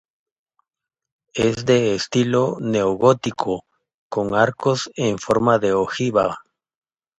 Es de estilo neogótico, con arcos en forma de ojiva.